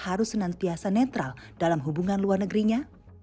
harus senantiasa netral dalam hubungan luar negerinya